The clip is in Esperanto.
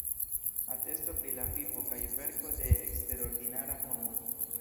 Atesto pri la vivo kaj verko de eksterordinara homo".